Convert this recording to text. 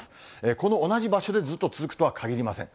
この同じ場所でずっと続くとは限りません。